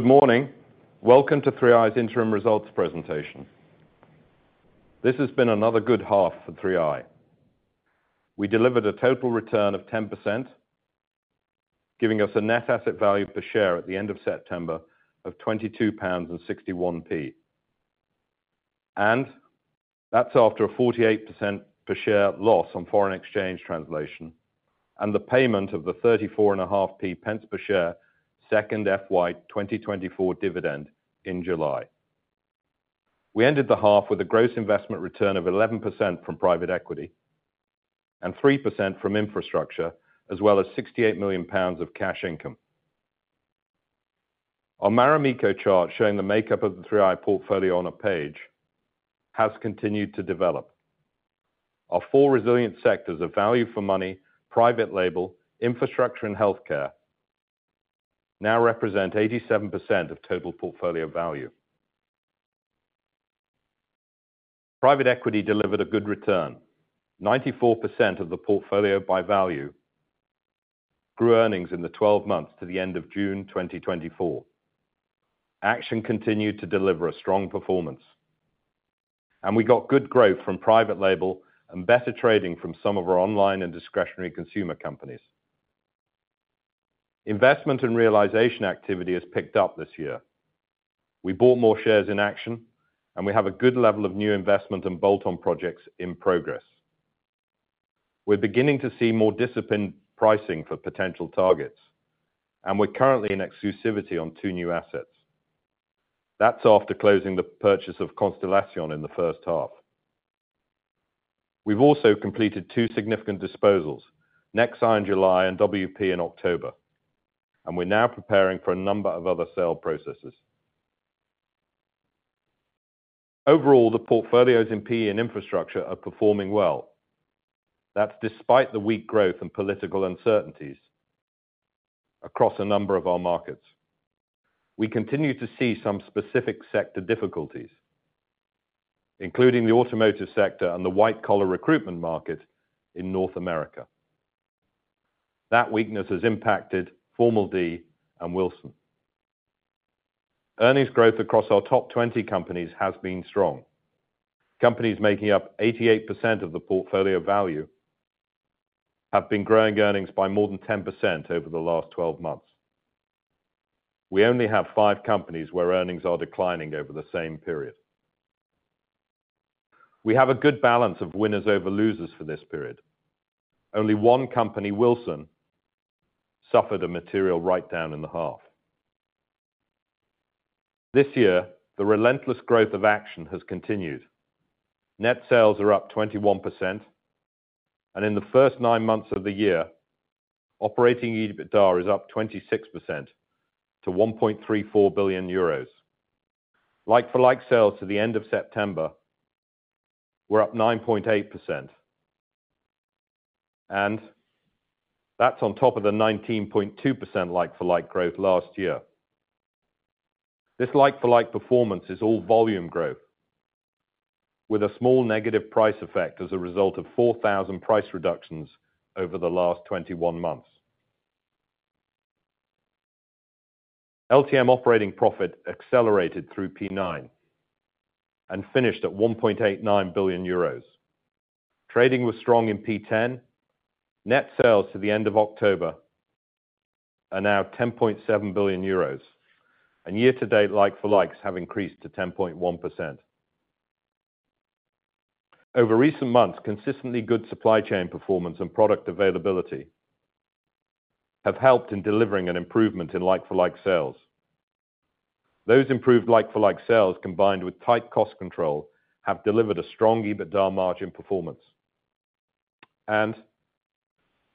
Good morning. Welcome to 3i's Interim Results Presentation. This has been another good half for 3i. We delivered a total return of 10%, giving us a net asset value per share at the end of September of 22.61 pounds. And that's after a 48% per share loss on foreign exchange translation and the payment of the 0.3450 per share second FY 2024 dividend in July. We ended the half with a gross investment return of 11% from private equity and 3% from infrastructure, as well as 68 million pounds of cash income. Our Marimekko chart, showing the makeup of the 3i portfolio on a page, has continued to develop. Our four resilient sectors of value for money, private label, infrastructure, and healthcare now represent 87% of total portfolio value. Private Equity delivered a good return: 94% of the portfolio by value grew earnings in the 12 months to the end of June 2024. Action continued to deliver a strong performance, and we got good growth from private label and better trading from some of our online and discretionary consumer companies. Investment and realization activity has picked up this year. We bought more shares in Action, and we have a good level of new investment and bolt-on projects in progress. We're beginning to see more disciplined pricing for potential targets, and we're currently in exclusivity on two new assets. That's after closing the purchase of Constellation in the first half. We've also completed two significant disposals: nexeye in July and WP in October, and we're now preparing for a number of other sale processes. Overall, the portfolios in PE and infrastructure are performing well. That's despite the weak growth and political uncertainties across a number of our markets. We continue to see some specific sector difficulties, including the automotive sector and the white-collar recruitment market in North America. That weakness has impacted Formel D and Wilson. Earnings growth across our top 20 companies has been strong. Companies making up 88% of the portfolio value have been growing earnings by more than 10% over the last 12 months. We only have five companies where earnings are declining over the same period. We have a good balance of winners over losers for this period. Only one company, Wilson, suffered a material write-down in the half. This year, the relentless growth of Action has continued. Net sales are up 21%, and in the first nine months of the year, operating EBITDA is up 26% to 1.34 billion euros. Like-for-like sales to the end of September were up 9.8%, and that's on top of the 19.2% like-for-like growth last year. This like-for-like performance is all volume growth, with a small negative price effect as a result of 4,000 price reductions over the last 21 months. LTM operating profit accelerated through P9 and finished at 1.89 billion euros. Trading was strong in P10. Net sales to the end of October are now 10.7 billion euros, and year-to-date like-for-likes have increased to 10.1%. Over recent months, consistently good supply chain performance and product availability have helped in delivering an improvement in like-for-like sales. Those improved like-for-like sales, combined with tight cost control, have delivered a strong EBITDA margin performance, and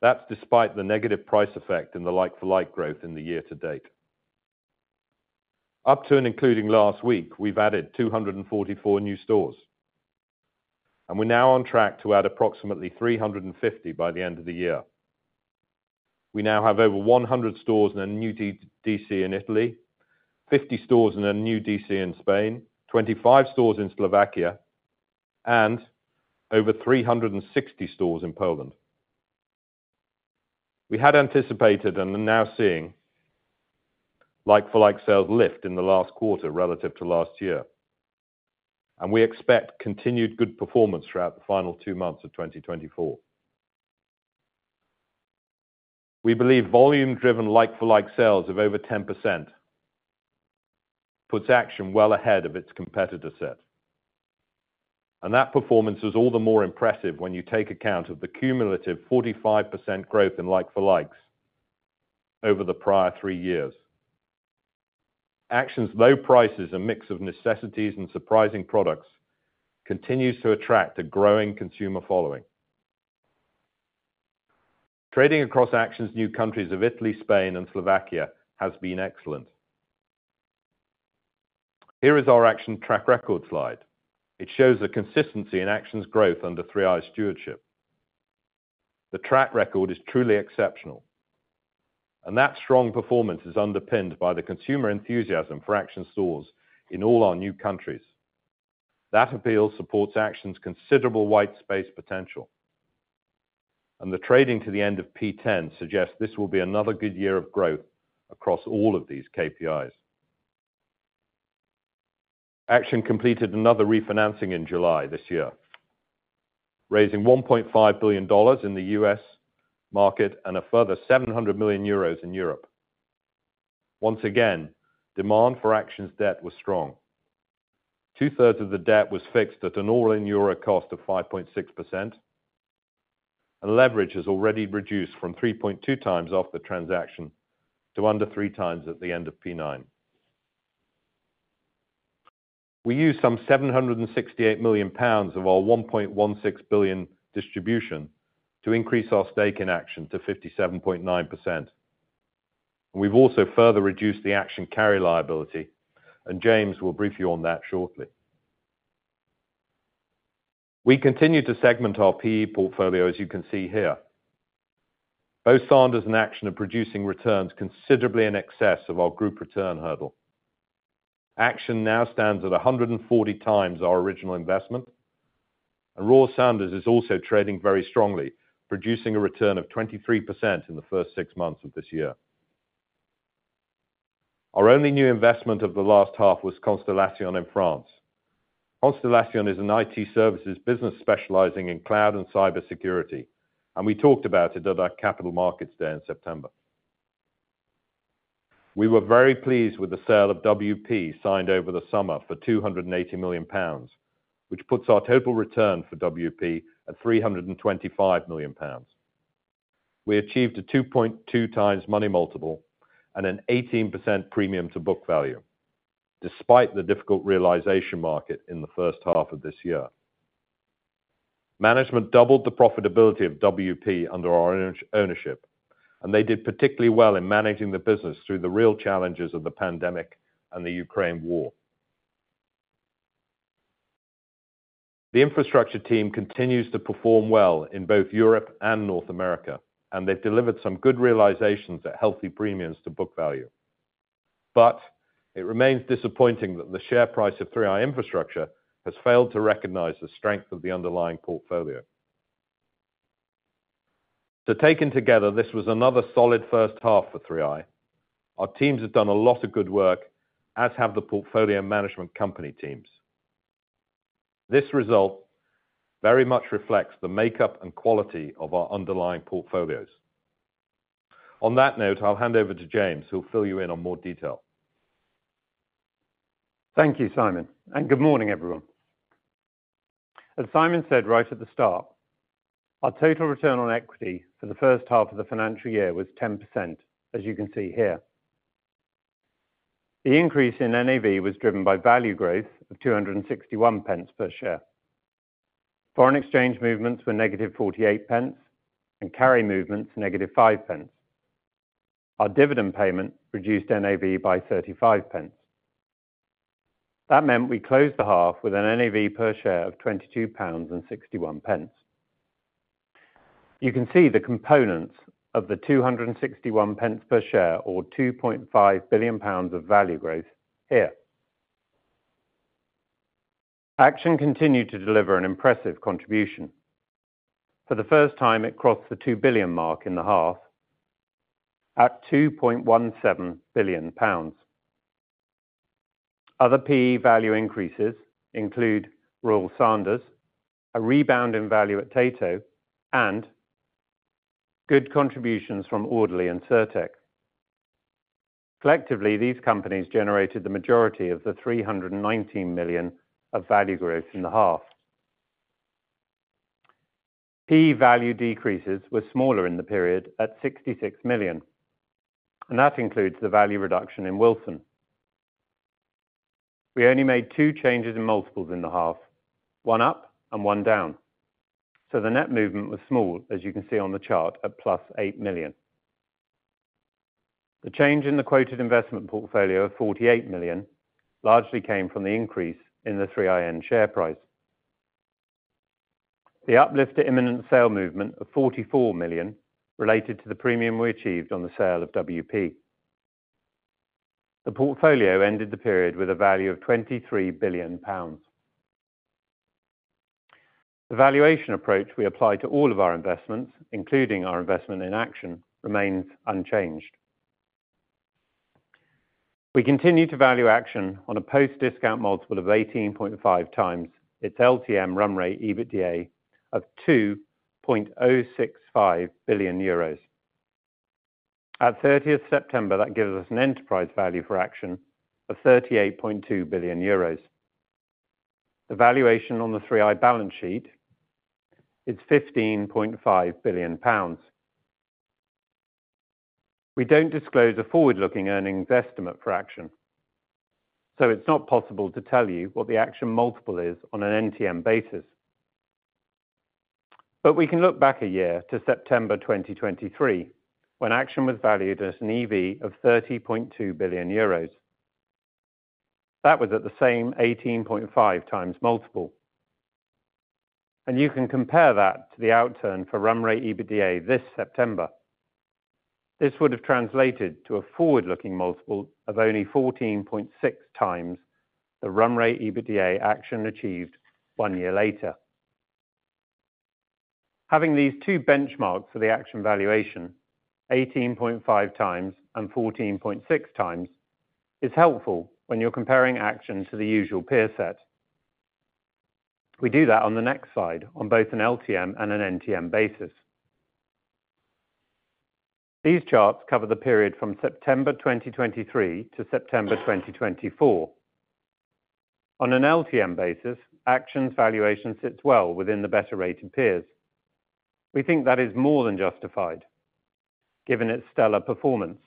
that's despite the negative price effect in the like-for-like growth in the year to date. Up to and including last week, we've added 244 new stores, and we're now on track to add approximately 350 by the end of the year. We now have over 100 stores in a new DC in Italy, 50 stores in a new DC in Spain, 25 stores in Slovakia, and over 360 stores in Poland. We had anticipated and are now seeing like-for-like sales lift in the last quarter relative to last year, and we expect continued good performance throughout the final two months of 2024. We believe volume-driven like-for-like sales of over 10% puts Action well ahead of its competitor set, and that performance is all the more impressive when you take account of the cumulative 45% growth in like-for-likes over the prior three years. Action's low prices, a mix of necessities and surprising products, continue to attract a growing consumer following. Trading across Action's new countries of Italy, Spain, and Slovakia has been excellent. Here is our Action track record slide. It shows the consistency in Action's growth under 3i's stewardship. The track record is truly exceptional, and that strong performance is underpinned by the consumer enthusiasm for Action stores in all our new countries. That appeal supports Action's considerable white space potential, and the trading to the end of P10 suggests this will be another good year of growth across all of these KPIs. Action completed another refinancing in July this year, raising $1.5 billion in the U.S. market and a further 700 million euros in Europe. Once again, demand for Action's debt was strong. 2/3 of the debt was fixed at an all-in EUR cost of 5.6%, and leverage has already reduced from 3.2 times after transaction to under 3 times at the end of P9. We used some 768 million pounds of our 1.16 billion distribution to increase our stake in Action to 57.9%, and we've also further reduced the Action carry liability, and James will brief you on that shortly. We continue to segment our PE portfolio, as you can see here. Both Royal Sanders and Action are producing returns considerably in excess of our group return hurdle. Action now stands at 140 times our original investment, and Royal Sanders is also trading very strongly, producing a return of 23% in the first six months of this year. Our only new investment of the last half was Constellation in France. Constellation is an IT services business specializing in cloud and cybersecurity, and we talked about it at our Capital Markets Day in September. We were very pleased with the sale of WP signed over the summer for 280 million pounds, which puts our total return for WP at 325 million pounds. We achieved a 2.2 times money multiple and an 18% premium to book value, despite the difficult realization market in the first half of this year. Management doubled the profitability of WP under our ownership, and they did particularly well in managing the business through the real challenges of the pandemic and the Ukraine war. The infrastructure team continues to perform well in both Europe and North America, and they've delivered some good realizations at healthy premiums to book value. But it remains disappointing that the share price of 3i Infrastructure has failed to recognize the strength of the underlying portfolio. So taken together, this was another solid first half for 3i. Our teams have done a lot of good work, as have the portfolio management company teams. This result very much reflects the makeup and quality of our underlying portfolios. On that note, I'll hand over to James, who'll fill you in on more detail. Thank you, Simon, and good morning, everyone. As Simon said right at the start, our total return on equity for the first half of the financial year was 10%, as you can see here. The increase in NAV was driven by value growth of 261 pence per share. Foreign exchange movements were -0.48, and carry movements -0.05. Our dividend payment reduced NAV by 0.35. That meant we closed the half with an NAV per share of 22.61 pounds. You can see the components of the 261 pence per share, or 2.5 billion pounds of value growth, here. Action continued to deliver an impressive contribution. For the first time, it crossed the 2 billion mark in the half at 2.17 billion pounds. Other PE value increases include Royal Sanders, a rebound in value at Tato, and good contributions from Audley and Cirtec. Collectively, these companies generated the majority of the 319 million of value growth in the half. PE value decreases were smaller in the period at 66 million, and that includes the value reduction in Wilson. We only made two changes in multiples in the half, one up and one down, so the net movement was small, as you can see on the chart at plus 8 million. The change in the quoted investment portfolio of 48 million largely came from the increase in the 3iN share price. The uplift at imminent sale movement of 44 million related to the premium we achieved on the sale of WP. The portfolio ended the period with a value of 23 billion pounds. The valuation approach we apply to all of our investments, including our investment in Action, remains unchanged. We continue to value Action on a post-discount multiple of 18.5 times its LTM run rate EBITDA of 2.065 billion euros. At 30 September, that gives us an enterprise value for Action of 38.2 billion euros. The valuation on the 3i balance sheet is 15.5 billion pounds. We don't disclose a forward-looking earnings estimate for Action, so it's not possible to tell you what the Action multiple is on an NTM basis, but we can look back a year to September 2023, when Action was valued at an EV of 30.2 billion euros. That was at the same 18.5 times multiple, and you can compare that to the outturn for run rate EBITDA this September. This would have translated to a forward-looking multiple of only 14.6 times the run rate EBITDA Action achieved one year later. Having these two benchmarks for the Action valuation, 18.5 times and 14.6 times, is helpful when you're comparing Action to the usual peer set. We do that on the next slide on both an LTM and an NTM basis. These charts cover the period from September 2023 to September 2024. On an LTM basis, Action's valuation sits well within the better-rated peers. We think that is more than justified, given its stellar performance.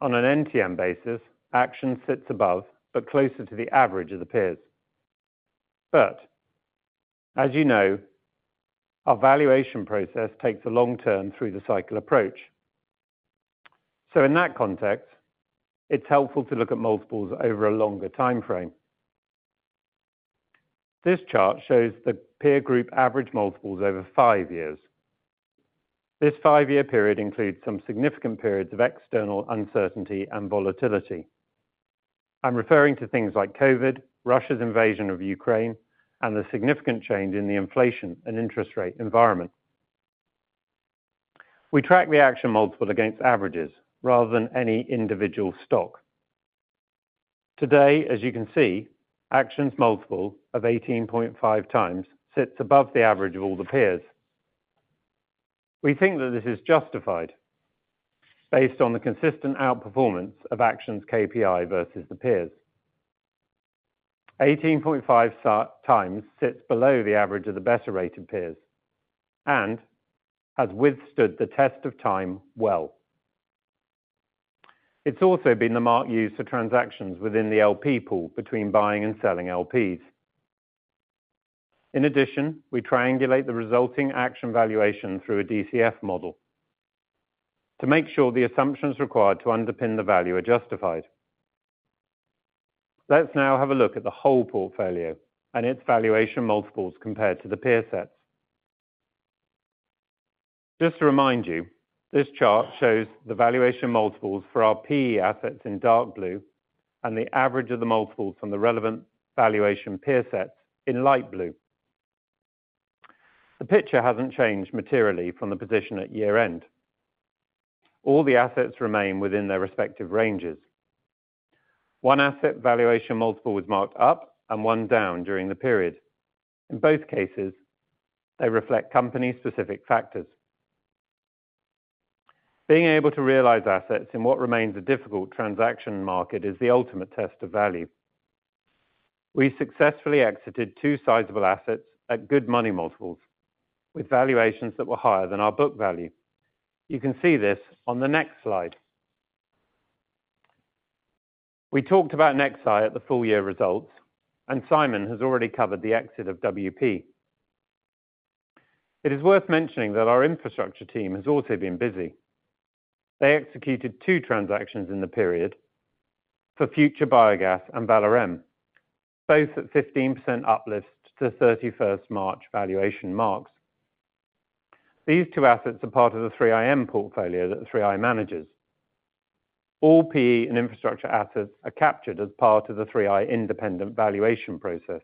On an NTM basis, Action sits above but closer to the average of the peers. But, as you know, our valuation process takes a long turn through the cycle approach. So in that context, it's helpful to look at multiples over a longer time frame. This chart shows the peer group average multiples over five years. This five-year period includes some significant periods of external uncertainty and volatility. I'm referring to things like COVID, Russia's invasion of Ukraine, and the significant change in the inflation and interest rate environment. We track the Action multiple against averages rather than any individual stock. Today, as you can see, Action's multiple of 18.5 times sits above the average of all the peers. We think that this is justified based on the consistent outperformance of Action's KPI versus the peers. 18.5 times sits below the average of the better-rated peers and has withstood the test of time well. It's also been the mark used for transactions within the LP pool between buying and selling LPs. In addition, we triangulate the resulting Action valuation through a DCF model to make sure the assumptions required to underpin the value are justified. Let's now have a look at the whole portfolio and its valuation multiples compared to the peer sets. Just to remind you, this chart shows the valuation multiples for our PE assets in dark blue and the average of the multiples from the relevant valuation peer sets in light blue. The picture hasn't changed materially from the position at year-end. All the assets remain within their respective ranges. One asset valuation multiple was marked up and one down during the period. In both cases, they reflect company-specific factors. Being able to realize assets in what remains a difficult transaction market is the ultimate test of value. We successfully exited two sizable assets at good money multiples with valuations that were higher than our book value. You can see this on the next slide. We talked about nexeye at the full year results, and Simon has already covered the exit of WP. It is worth mentioning that our infrastructure team has also been busy. They executed two transactions in the period for Future Biogas and Valorem, both at 15% uplifts to 31st March valuation marks. These two assets are part of the 3iN portfolio that 3i manages. All PE and infrastructure assets are captured as part of the 3i independent valuation process.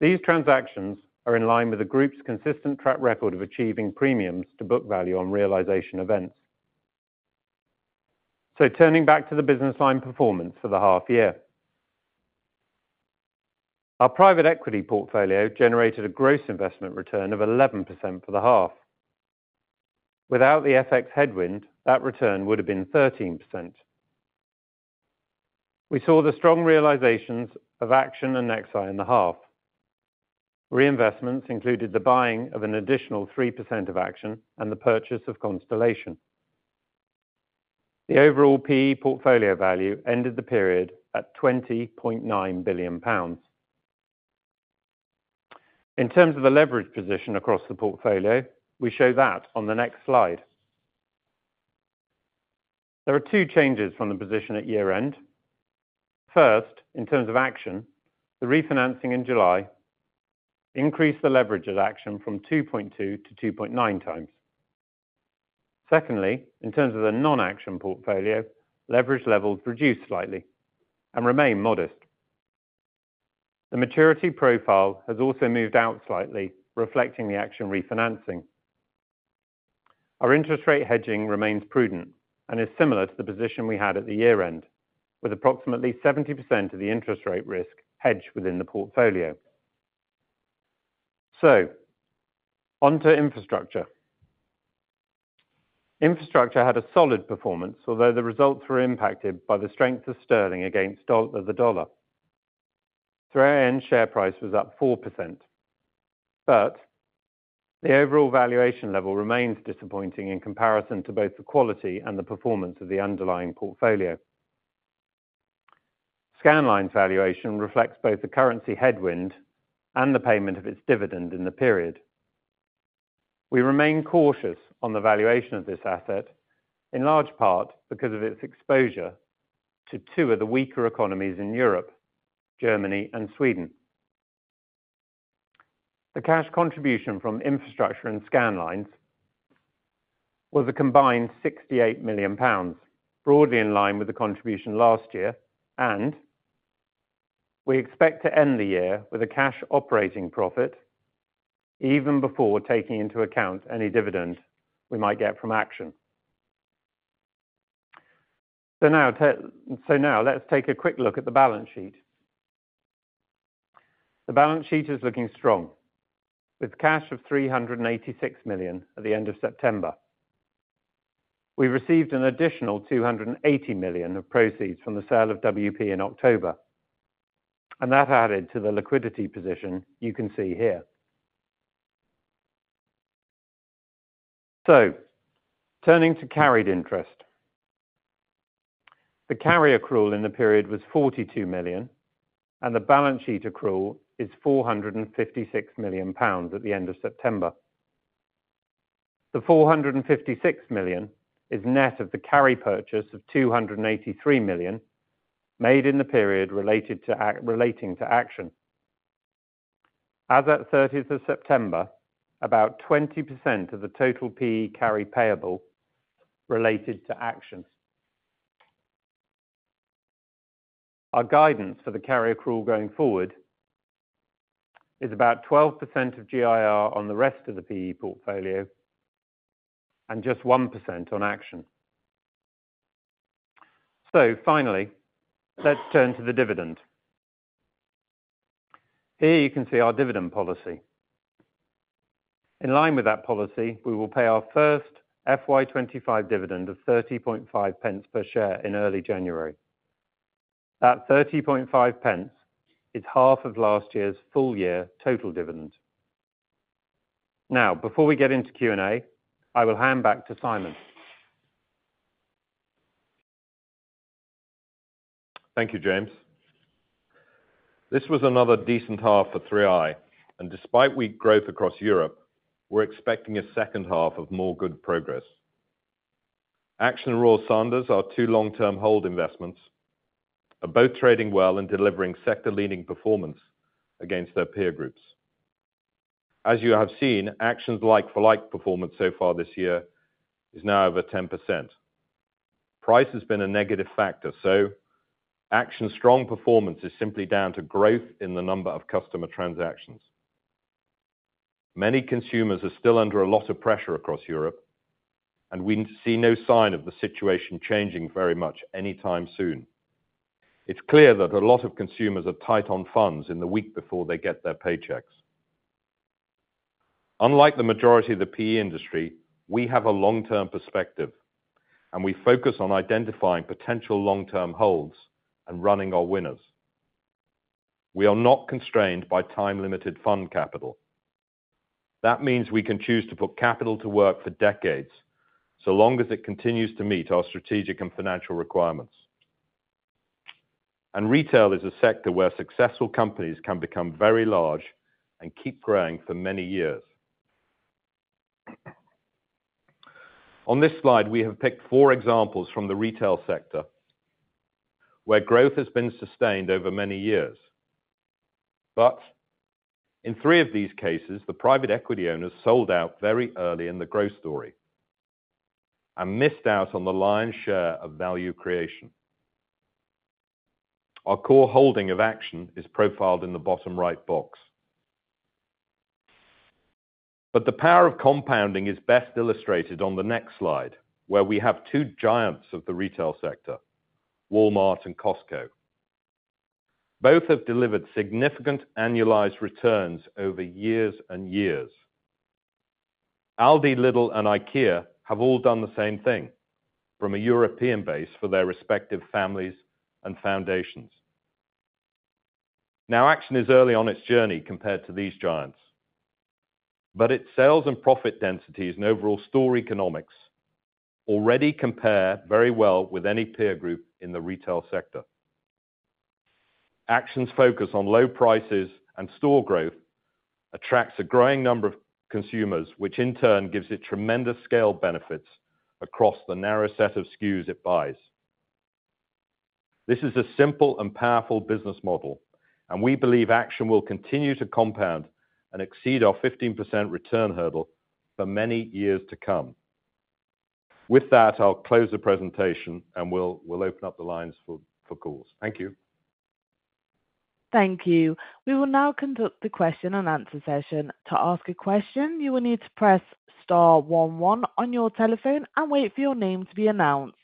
These transactions are in line with the group's consistent track record of achieving premiums to book value on realization events. Turning back to the business line performance for the half year, our private equity portfolio generated a gross investment return of 11% for the half. Without the FX headwind, that return would have been 13%. We saw the strong realizations of Action and nexeye in the half. Reinvestments included the buying of an additional 3% of Action and the purchase of Constellation. The overall PE portfolio value ended the period at 20.9 billion pounds. In terms of the leverage position across the portfolio, we show that on the next slide. There are two changes from the position at year-end. First, in terms of Action, the refinancing in July increased the leverage at Action from 2.2-2.9 times. Secondly, in terms of the non-Action portfolio, leverage levels reduced slightly and remain modest. The maturity profile has also moved out slightly, reflecting the Action refinancing. Our interest rate hedging remains prudent and is similar to the position we had at the year-end, with approximately 70% of the interest rate risk hedged within the portfolio. On to infrastructure. Infrastructure had a solid performance, although the results were impacted by the strength of sterling against the dollar. 3iN's share price was up 4%, but the overall valuation level remains disappointing in comparison to both the quality and the performance of the underlying portfolio. Scandlines' valuation reflects both the currency headwind and the payment of its dividend in the period. We remain cautious on the valuation of this asset, in large part because of its exposure to two of the weaker economies in Europe, Germany and Sweden. The cash contribution from infrastructure and Scandlines was a combined 68 million pounds, broadly in line with the contribution last year, and we expect to end the year with a cash operating profit even before taking into account any dividend we might get from Action. So now let's take a quick look at the balance sheet. The balance sheet is looking strong, with cash of 386 million at the end of September. We received an additional 280 million of proceeds from the sale of WP in October, and that added to the liquidity position you can see here. So, turning to carried interest. The carry accrual in the period was 42 million, and the balance sheet accrual is 456 million pounds at the end of September. The 456 million is net of the carry purchase of 283 million made in the period relating to Action. As at 30 September, about 20% of the total PE carry payable related to Action. Our guidance for the carry accrual going forward is about 12% of GIR on the rest of the PE portfolio and just 1% on Action. So finally, let's turn to the dividend. Here you can see our dividend policy. In line with that policy, we will pay our first FY 2025 dividend of 30.5 pence per share in early January. That 30.5 pence is half of last year's full year total dividend. Now, before we get into Q&A, I will hand back to Simon. Thank you, James. This was another decent half for 3i, and despite weak growth across Europe, we're expecting a second half of more good progress. Action and Royal Sanders, our two long-term hold investments, are both trading well and delivering sector-leading performance against their peer groups. As you have seen, Action's like-for-like performance so far this year is now over 10%. Price has been a negative factor, so Action's strong performance is simply down to growth in the number of customer transactions. Many consumers are still under a lot of pressure across Europe, and we see no sign of the situation changing very much anytime soon. It's clear that a lot of consumers are tight on funds in the week before they get their paychecks. Unlike the majority of the PE industry, we have a long-term perspective, and we focus on identifying potential long-term holds and running our winners. We are not constrained by time-limited fund capital. That means we can choose to put capital to work for decades, so long as it continues to meet our strategic and financial requirements, and retail is a sector where successful companies can become very large and keep growing for many years. On this slide, we have picked four examples from the retail sector where growth has been sustained over many years, but in three of these cases, the private equity owners sold out very early in the growth story and missed out on the lion's share of value creation. Our core holding of Action is profiled in the bottom right box, but the power of compounding is best illustrated on the next slide, where we have two giants of the retail sector, Walmart and Costco. Both have delivered significant annualized returns over years and years. Aldi, Lidl, and IKEA have all done the same thing from a European base for their respective families and foundations. Now, Action is early on its journey compared to these giants, but its sales and profit densities and overall store economics already compare very well with any peer group in the retail sector. Action's focus on low prices and store growth attracts a growing number of consumers, which in turn gives it tremendous scale benefits across the narrow set of SKUs it buys. This is a simple and powerful business model, and we believe Action will continue to compound and exceed our 15% return hurdle for many years to come. With that, I'll close the presentation, and we'll open up the lines for calls. Thank you. Thank you. We will now conduct the question and answer session. To ask a question, you will need to press star one one on your telephone and wait for your name to be announced.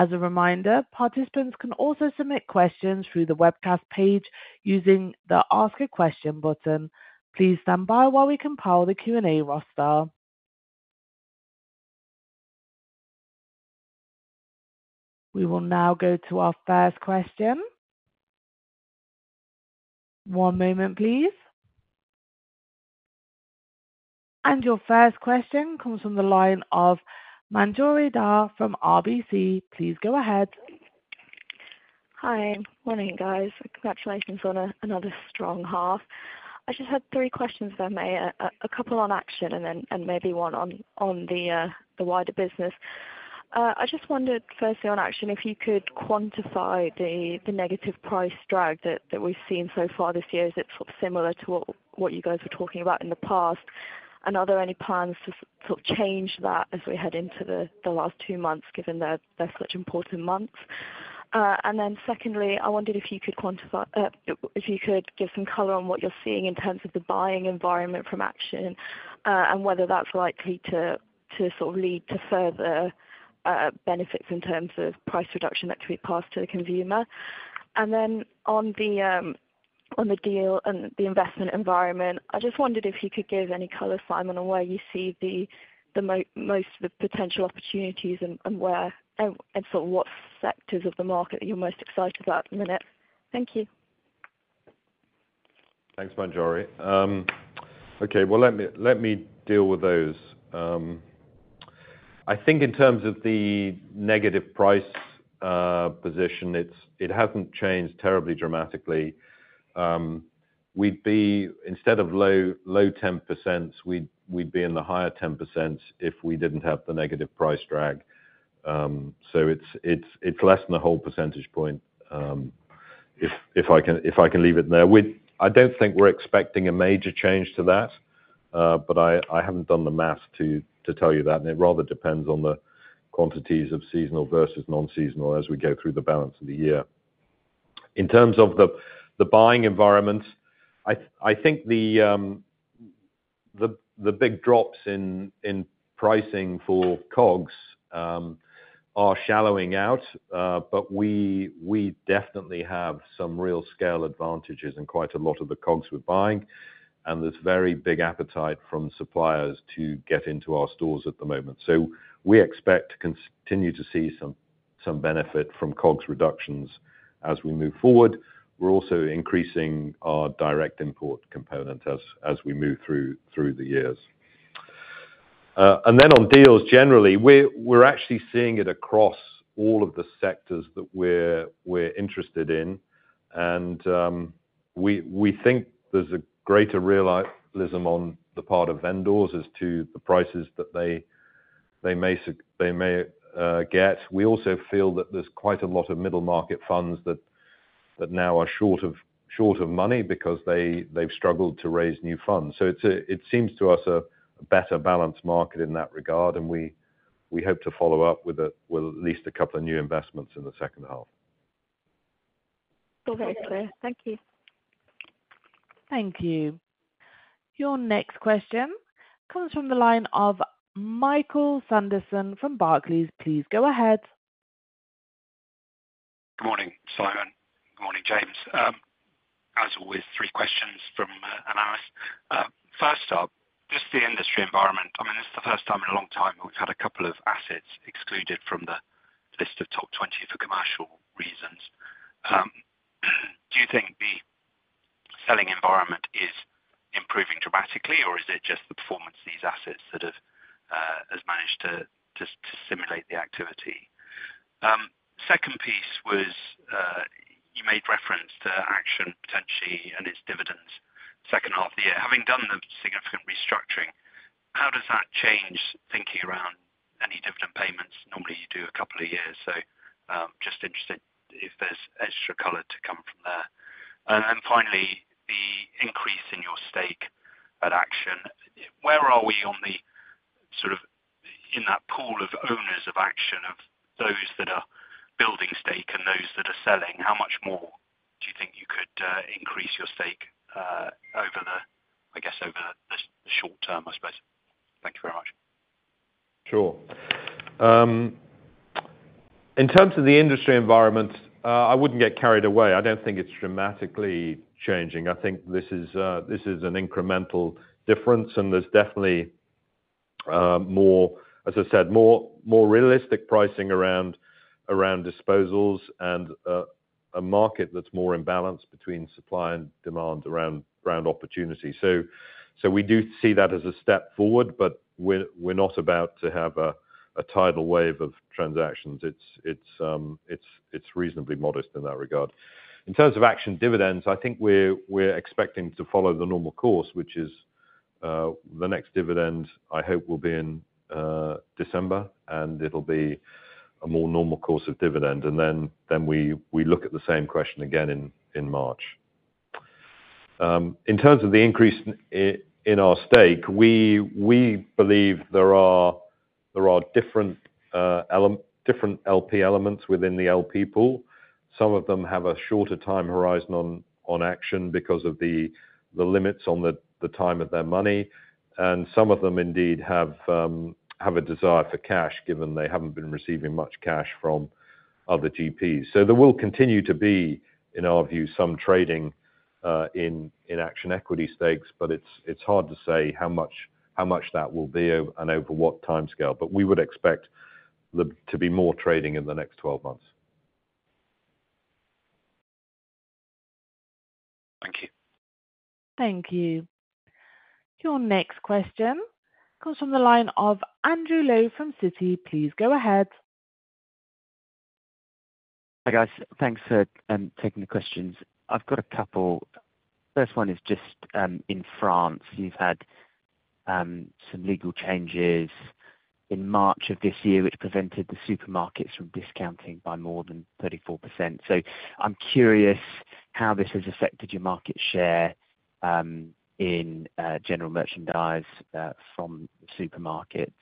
As a reminder, participants can also submit questions through the webcast page using the Ask a Question button. Please stand by while we compile the Q&A roster. We will now go to our first question. One moment, please. Your first question comes from the line of Manjari Dhar from RBC. Please go ahead. Hi. Morning, guys. Congratulations on another strong half. I just had three questions if I may, a couple on Action and then maybe one on the wider business. I just wondered firstly on Action if you could quantify the negative price drag that we've seen so far this year. Is it sort of similar to what you guys were talking about in the past? And are there any plans to sort of change that as we head into the last two months, given they're such important months? And then secondly, I wondered if you could quantify, if you could give some color on what you're seeing in terms of the buying environment from Action and whether that's likely to sort of lead to further benefits in terms of price reduction that could be passed to the consumer. And then on the deal and the investment environment, I just wondered if you could give any color, Simon, on where you see the most of the potential opportunities and where and sort of what sectors of the market that you're most excited about at the minute. Thank you. Thanks, Manjari. Okay, well, let me deal with those. I think in terms of the negative price position, it hasn't changed terribly dramatically. Instead of low 10%, we'd be in the higher 10% if we didn't have the negative price drag. So it's less than a whole percentage point if I can leave it there. I don't think we're expecting a major change to that, but I haven't done the math to tell you that, and it rather depends on the quantities of seasonal versus non-seasonal as we go through the balance of the year. In terms of the buying environment, I think the big drops in pricing for COGS are shallowing out, but we definitely have some real scale advantages in quite a lot of the COGS we're buying, and there's very big appetite from suppliers to get into our stores at the moment. So we expect to continue to see some benefit from COGS reductions as we move forward. We're also increasing our direct import component as we move through the years, and then on deals generally, we're actually seeing it across all of the sectors that we're interested in, and we think there's a greater realism on the part of vendors as to the prices that they may get. We also feel that there's quite a lot of middle market funds that now are short of money because they've struggled to raise new funds. So it seems to us a better balanced market in that regard, and we hope to follow up with at least a couple of new investments in the second half. Okay, it's clear. Thank you. Thank you. Your next question comes from the line of Michael Sanderson from Barclays. Please go ahead. Good morning, Simon. Good morning, James. As always, three questions from an analyst. First up, just the industry environment. I mean, this is the first time in a long time that we've had a couple of assets excluded from the list of top 20 for commercial reasons. Do you think the selling environment is improving dramatically, or is it just the performance of these assets that have managed to stimulate the activity? Second piece was you made reference to Action potentially and its dividends second half of the year. Having done the significant restructuring, how does that change thinking around any dividend payments? Normally, you do a couple of years, so just interested if there's extra color to come from there. And then finally, the increase in your stake at Action. Where are we sort of in that pool of owners of Action, of those that are building stake and those that are selling? How much more do you think you could increase your stake over the, I guess, over the short term, I suppose? Thank you very much. Sure. In terms of the industry environment, I wouldn't get carried away. I don't think it's dramatically changing. I think this is an incremental difference, and there's definitely more, as I said, more realistic pricing around disposals and a market that's more in balance between supply and demand around opportunity. So we do see that as a step forward, but we're not about to have a tidal wave of transactions. It's reasonably modest in that regard. In terms of Action dividends, I think we're expecting to follow the normal course, which is the next dividend, I hope, will be in December, and it'll be a more normal course of dividend, and then we look at the same question again in March. In terms of the increase in our stake, we believe there are different LP elements within the LP pool. Some of them have a shorter time horizon on Action because of the limits on the time of their money, and some of them indeed have a desire for cash given they haven't been receiving much cash from other GPs. So there will continue to be, in our view, some trading in Action equity stakes, but it's hard to say how much that will be and over what timescale. But we would expect to be more trading in the next 12 months. Thank you. Thank you. Your next question comes from the line of Andrew Lowe from Citi. Please go ahead. Hi guys. Thanks for taking the questions. I've got a couple. First one is just in France. You've had some legal changes in March of this year, which prevented the supermarkets from discounting by more than 34%. So, I'm curious how this has affected your market share in general merchandise from supermarkets.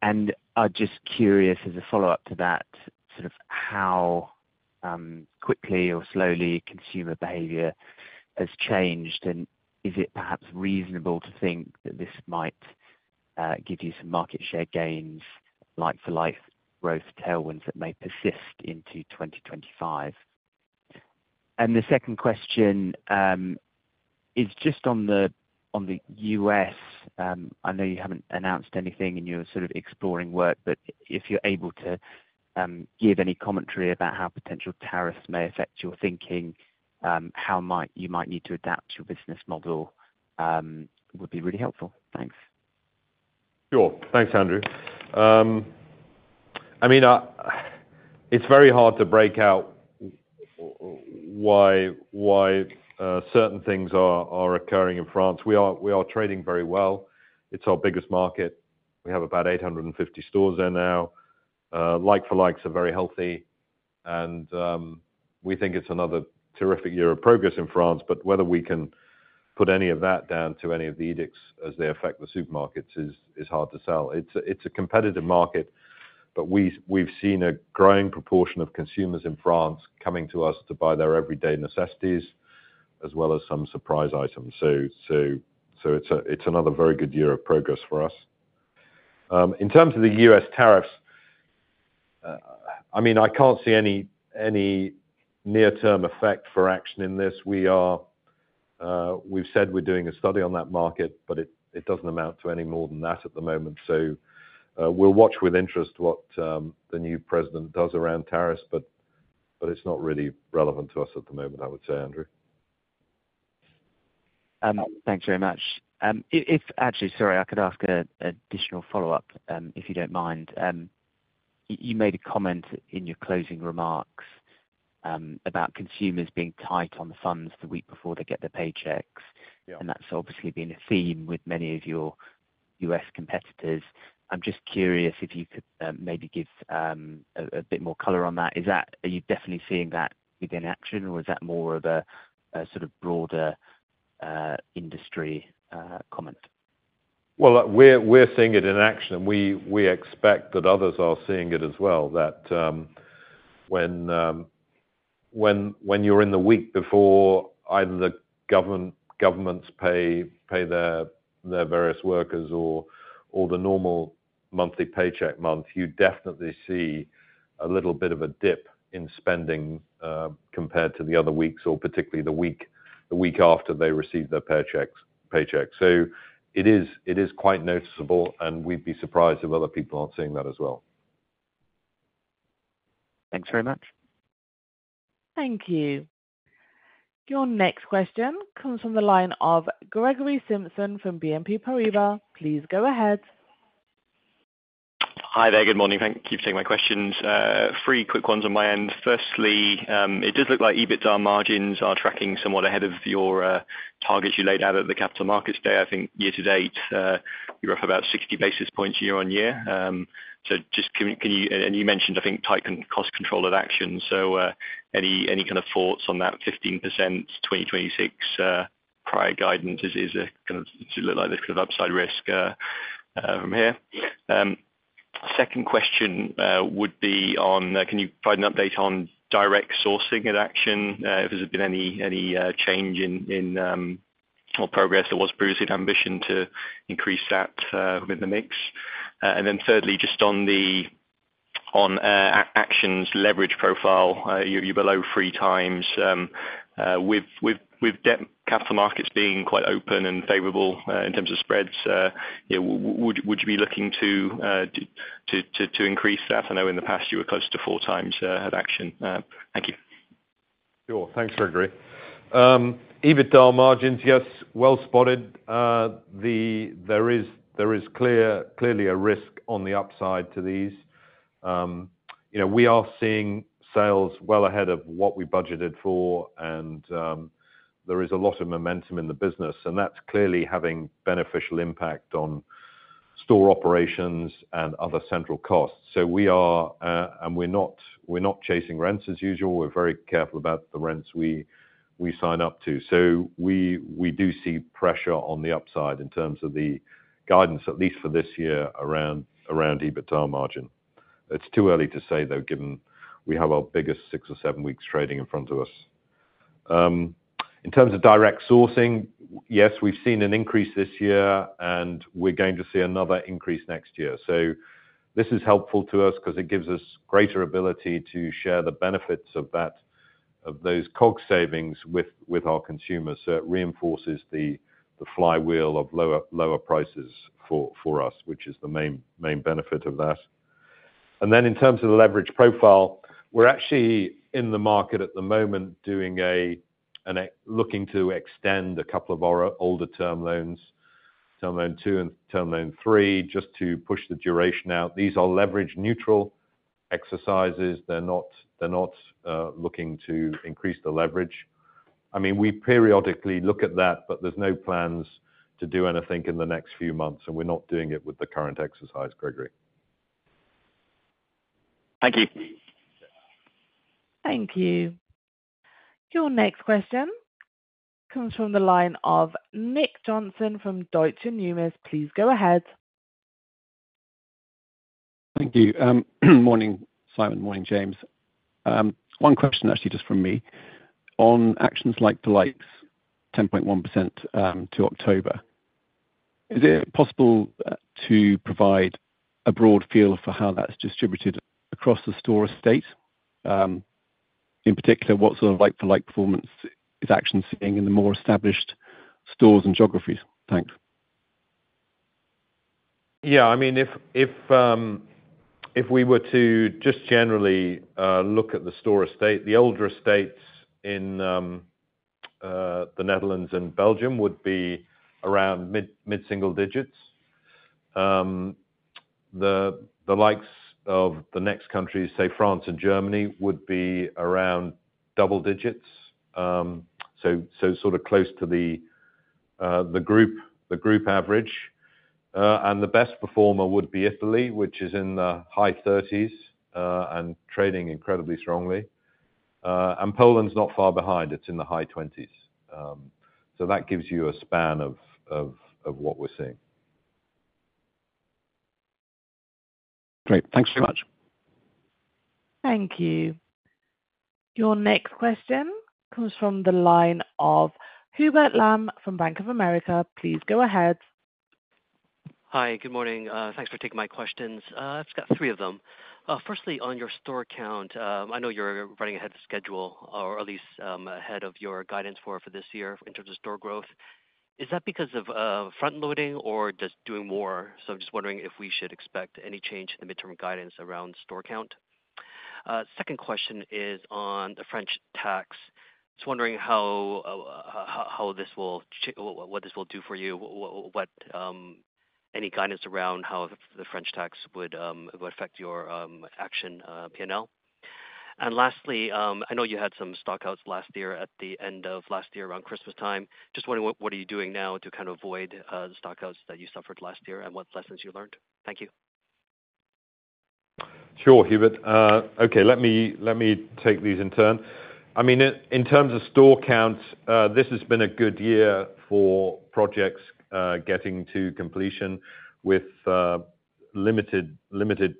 And I'm just curious, as a follow-up to that, sort of how quickly or slowly consumer behavior has changed, and is it perhaps reasonable to think that this might give you some market share gains, like-for-like growth tailwinds that may persist into 2025? And the second question is just on the U.S. I know you haven't announced anything, and you're sort of exploring work, but if you're able to give any commentary about how potential tariffs may affect your thinking, how you might need to adapt your business model would be really helpful. Thanks. Sure. Thanks, Andrew. I mean, it's very hard to break out why certain things are occurring in France. We are trading very well. It's our biggest market. We have about 850 stores there now. Like-for-likes are very healthy, and we think it's another terrific year of progress in France, but whether we can put any of that down to any of the edicts as they affect the supermarkets is hard to tell. It's a competitive market, but we've seen a growing proportion of consumers in France coming to us to buy their everyday necessities as well as some surprise items. So it's another very good year of progress for us. In terms of the U.S. tariffs, I mean, I can't see any near-term effect for Action in this. We've said we're doing a study on that market, but it doesn't amount to any more than that at the moment. So, we'll watch with interest what the new president does around tariffs, but it's not really relevant to us at the moment, I would say, Andrew. Thanks very much. Actually, sorry, I could ask an additional follow-up if you don't mind. You made a comment in your closing remarks about consumers being tight on the funds the week before they get their paychecks, and that's obviously been a theme with many of your U.S. competitors. I'm just curious if you could maybe give a bit more color on that. Are you definitely seeing that within Action, or is that more of a sort of broader industry comment? We're seeing it in Action, and we expect that others are seeing it as well, that when you're in the week before either the governments pay their various workers or the normal monthly paycheck month, you definitely see a little bit of a dip in spending compared to the other weeks, or particularly the week after they receive their paychecks. So, it is quite noticeable, and we'd be surprised if other people aren't seeing that as well. Thanks very much. Thank you. Your next question comes from the line of Gregory Simpson from BNP Paribas. Please go ahead. Hi there. Good morning. Thank you for taking my questions. Three quick ones on my end. Firstly, it does look like EBITDA margins are tracking somewhat ahead of your targets you laid out at the capital markets day. I think year to date, you're up about 60 basis points year-on-year. So just can you and you mentioned, I think, tight cost control at Action. So any kind of thoughts on that 15% 2026 prior guidance? It does look like there's kind of upside risk from here. Second question would be on, can you provide an update on direct sourcing at Action? If there's been any change in or progress that was previously ambitioned to increase that within the mix. And then thirdly, just on Action's leverage profile, you're below three times. With capital markets being quite open and favorable in terms of spreads, would you be looking to increase that? I know in the past you were close to four times at Action. Thank you. Sure. Thanks, Gregory. EBITDA margins, yes, well spotted. There is clearly a risk on the upside to these. We are seeing sales well ahead of what we budgeted for, and there is a lot of momentum in the business, and that's clearly having beneficial impact on store operations and other central costs. So we are and we're not chasing rents as usual. We're very careful about the rents we sign up to. So we do see pressure on the upside in terms of the guidance, at least for this year, around EBITDA margin. It's too early to say, though, given we have our biggest six or seven weeks trading in front of us. In terms of direct sourcing, yes, we've seen an increase this year, and we're going to see another increase next year. So this is helpful to us because it gives us greater ability to share the benefits of those COGS savings with our consumers. So it reinforces the flywheel of lower prices for us, which is the main benefit of that. And then in terms of the leverage profile, we're actually in the market at the moment looking to extend a couple of our older term loans, term loan two and term loan three, just to push the duration out. These are leverage-neutral exercises. They're not looking to increase the leverage. I mean, we periodically look at that, but there's no plans to do anything in the next few months, and we're not doing it with the current exercise, Gregory. Thank you. Thank you. Your next question comes from the line of Nick Johnson from Deutsche Numis. Please go ahead. Thank you. Morning, Simon. Morning, James. One question actually just from me. On Action's like-for-likes, 10.1% to October, is it possible to provide a broad feel for how that's distributed across the store estate? In particular, what sort of like-for-like performance is Action seeing in the more established stores and geographies? Thanks. Yeah. I mean, if we were to just generally look at the store estate, the older estates in the Netherlands and Belgium would be around mid-single digits. The likes of the next countries, say France and Germany, would be around double digits, so sort of close to the group average. And the best performer would be Italy, which is in the high 30s and trading incredibly strongly. And Poland's not far behind. It's in the high 20s. So that gives you a span of what we're seeing. Great. Thanks very much. Thank you. Your next question comes from the line of Hubert Lam from Bank of America. Please go ahead. Hi. Good morning. Thanks for taking my questions. I've just got three of them. Firstly, on your store count, I know you're running ahead of schedule, or at least ahead of your guidance for this year in terms of store growth. Is that because of front-loading, or just doing more? So, I'm just wondering if we should expect any change in the midterm guidance around store count. Second question is on the French tax. Just wondering how this will do for you, any guidance around how the French tax would affect your Action P&L. And lastly, I know you had some stock outs last year at the end of last year around Christmas time. Just wondering, what are you doing now to kind of avoid the stock outs that you suffered last year and what lessons you learned? Thank you. Sure, Hubert. Okay. Let me take these in turn. I mean, in terms of store counts, this has been a good year for projects getting to completion with limited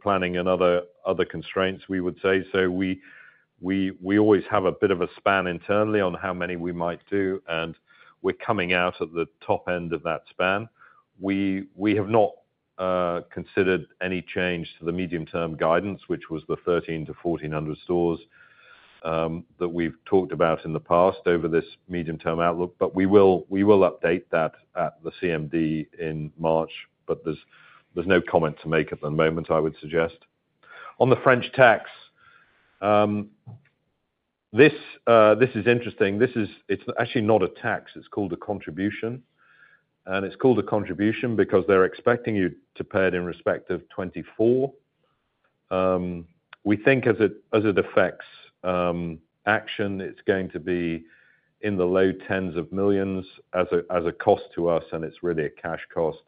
planning and other constraints, we would say. So we always have a bit of a span internally on how many we might do, and we're coming out at the top end of that span. We have not considered any change to the medium-term guidance, which was the 1300-1400 stores that we've talked about in the past over this medium-term outlook, but we will update that at the CMD in March. But there's no comment to make at the moment, I would suggest. On the French tax, this is interesting. This is actually not a tax. It's called a contribution. And it's called a contribution because they're expecting you to pay it in respect of 2024. We think as it affects Action, it's going to be in the low tens of millions as a cost to us, and it's really a cash cost.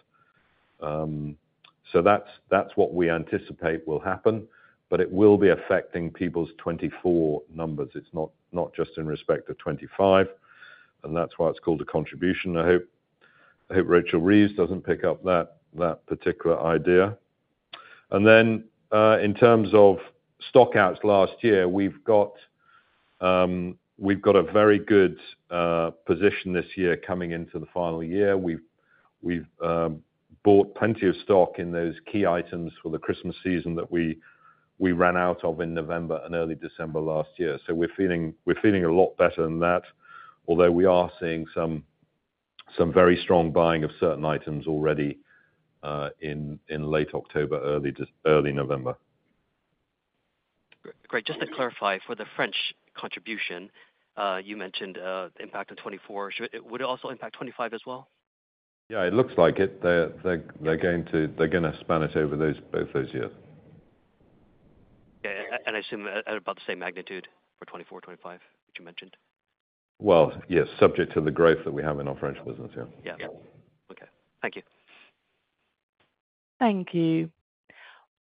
So that's what we anticipate will happen, but it will be affecting people's 2024 numbers. It's not just in respect of 2025, and that's why it's called a contribution, I hope. I hope Rachel Reeves doesn't pick up that particular idea. And then in terms of stock outs last year, we've got a very good position this year coming into the final year. We've bought plenty of stock in those key items for the Christmas season that we ran out of in November and early December last year. So we're feeling a lot better than that, although we are seeing some very strong buying of certain items already in late October, early November. Great. Just to clarify, for the French contribution, you mentioned the impact of 2024. Would it also impact 2025 as well? Yeah. It looks like it. They're going to span it over both those years. Yeah. And I assume about the same magnitude for 2024, 2025, which you mentioned? Well, yes, subject to the growth that we have in our French business, yeah. Yeah. Okay. Thank you. Thank you.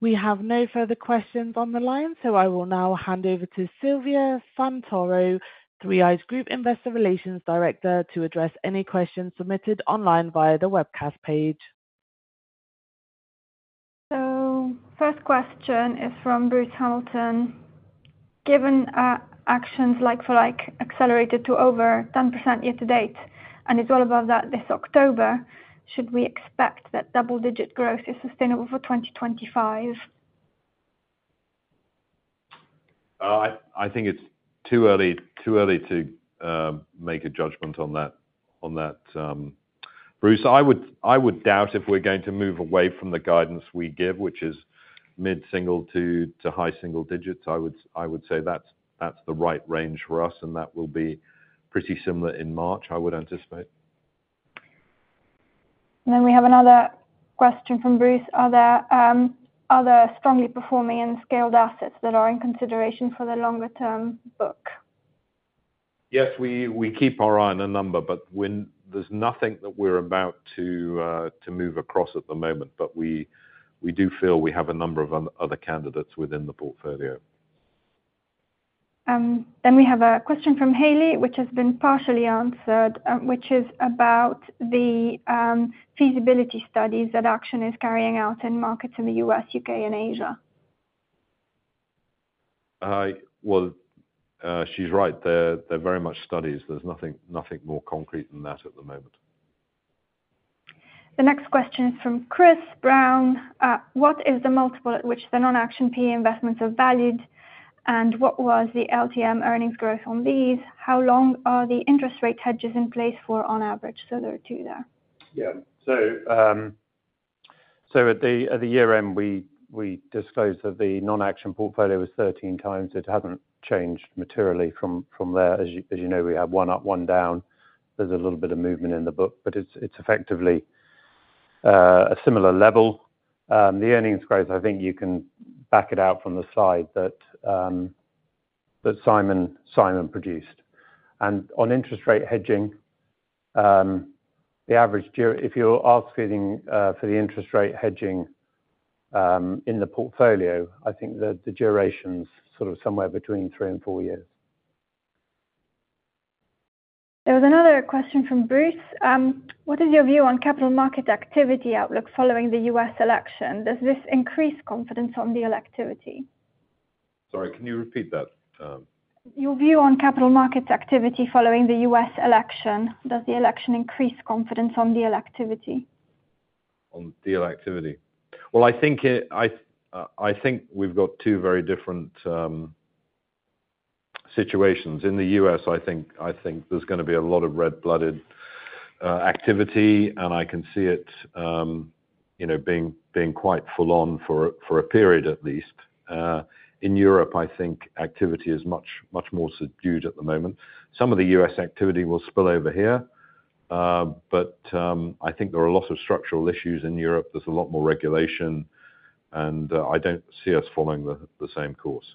We have no further questions on the line, so I will now hand over to Silvia Santoro, 3i Group Investor Relations Director, to address any questions submitted online via the webcast page. So, first question is from Bruce Hamilton. Given Action's like-for-like accelerated to over 10% year-to-date, and it's well above that this October, should we expect that double-digit growth is sustainable for 2025? I think it's too early to make a judgment on that. Bruce, I would doubt if we're going to move away from the guidance we give, which is mid-single to high single digits. I would say that's the right range for us, and that will be pretty similar in March, I would anticipate. And then we have another question from Bruce. Are there other strongly performing and scaled assets that are in consideration for the longer-term book? Yes. We keep our eye on a number, but there's nothing that we're about to move across at the moment, but we do feel we have a number of other candidates within the portfolio. Then we have a question from Hayley, which has been partially answered, which is about the feasibility studies that Action is carrying out in markets in the U.S., U.K., and Asia. Well, she's right. They're very much studies. There's nothing more concrete than that at the moment. The next question is from Chris Brown. What is the multiple at which the non-Action PE investments are valued, and what was the LTM earnings growth on these? How long are the interest rate hedges in place for on average? So there are two there. Yeah. So at the year-end, we disclosed that the non-Action portfolio was 13 times. It hasn't changed materially from there. As you know, we have one up, one down. There's a little bit of movement in the book, but it's effectively a similar level. The earnings growth, I think you can back it out from the slide that Simon produced. And on interest rate hedging, the average if you're asking for the interest rate hedging in the portfolio, I think the duration's sort of somewhere between three and four years. There was another question from Bruce. What is your view on capital market activity outlook following the U.S. election? Does this increase confidence on deal activity? Sorry. Can you repeat that? Your view on capital markets activity following the U.S. election. Does the election increase confidence on deal activity? On deal activity? Well, I think we've got two very different situations. In the U.S., I think there's going to be a lot of red-blooded activity, and I can see it being quite full-on for a period at least. In Europe, I think activity is much more subdued at the moment. Some of the U.S. activity will spill over here, but I think there are lots of structural issues in Europe. There's a lot more regulation, and I don't see us following the same course.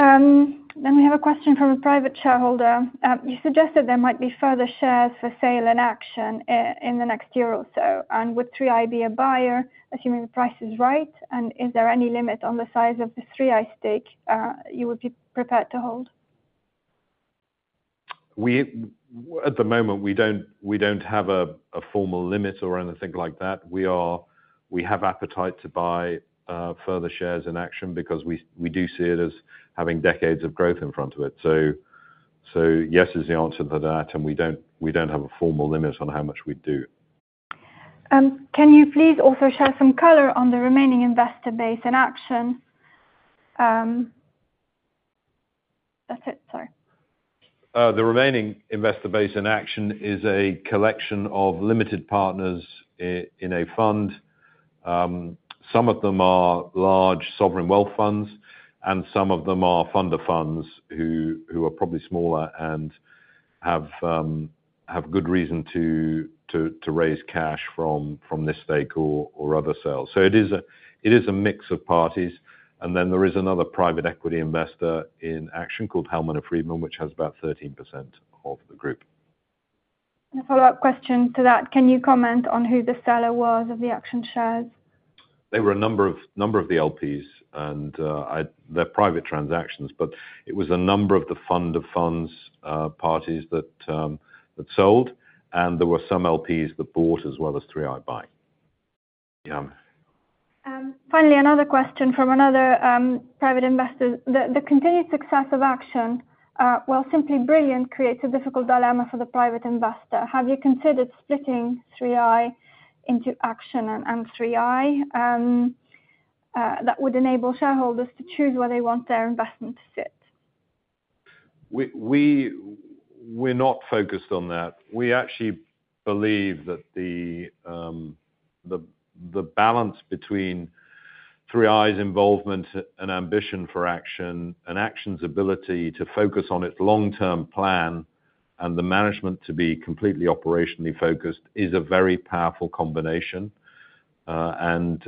Then we have a question from a private shareholder. You suggested there might be further shares for sale in Action in the next year or so, and would 3i be a buyer, assuming the price is right? And is there any limit on the size of the 3i stake you would be prepared to hold? At the moment, we don't have a formal limit or anything like that. We have appetite to buy further shares in Action because we do see it as having decades of growth in front of it, so yes is the answer to that, and we don't have a formal limit on how much we do. Can you please also share some color on the remaining investor base in Action? That's it. Sorry. The remaining investor base in Action is a collection of limited partners in a fund. Some of them are large sovereign wealth funds, and some of them are feeder funds who are probably smaller and have good reason to raise cash from this stake or other sales. So it is a mix of parties. And then there is another private equity investor in Action called Hellman & Friedman, which has about 13% of the group. And a follow-up question to that. Can you comment on who the seller was of the Action shares? They were a number of the LPs and their private transactions, but it was a number of the fund of funds parties that sold, and there were some LPs that bought as well as 3i buy. Yeah. Finally, another question from another private investor. The continued success of Action, while simply brilliant, creates a difficult dilemma for the private investor. Have you considered splitting 3i into Action, and 3i that would enable shareholders to choose where they want their investment to sit? We're not focused on that. We actually believe that the balance between 3i's involvement and ambition for Action, and Action's ability to focus on its long-term plan and the management to be completely operationally focused is a very powerful combination. And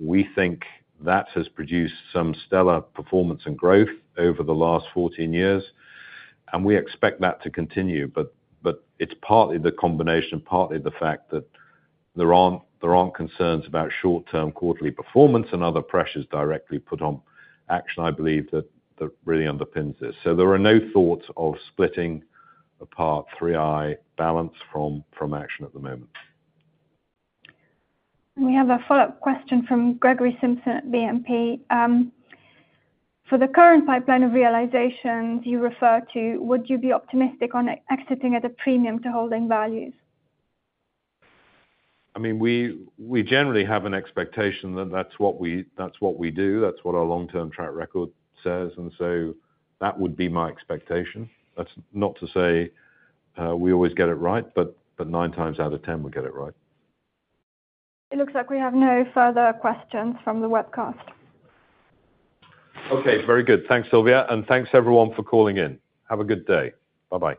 we think that has produced some stellar performance and growth over the last 14 years, and we expect that to continue. But it's partly the combination and partly the fact that there aren't concerns about short-term quarterly performance and other pressures directly put on Action, I believe, that really underpins this. So there are no thoughts of splitting apart 3i's balance from Action at the moment. And we have a follow-up question from Gregory Simpson at BNP. For the current pipeline of realizations you refer to, would you be optimistic on exiting at a premium to holding values? I mean, we generally have an expectation that that's what we do. That's what our long-term track record says, and so that would be my expectation. That's not to say we always get it right, but nine times out of ten we get it right. It looks like we have no further questions from the webcast. Okay. Very good. Thanks, Sylvia. And thanks everyone for calling in. Have a good day. Bye-bye.